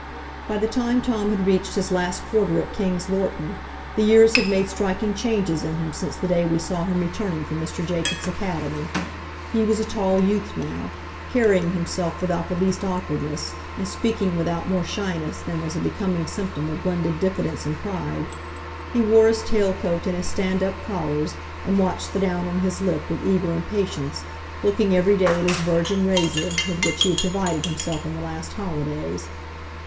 By the time Tom had reached his last quarter at King's Lorton, the years had made striking changes in him since the day we saw him returning from Mr Jacobs's academy. He was a tall youth now, carrying himself without the least awkwardness, and speaking without more shyness than was a becoming symptom of blended diffidence and pride; he wore his tail coat and his stand up collars, and watched the down on his lip with eager impatience, looking every day at his virgin razor, with which he had provided himself in the last holidays.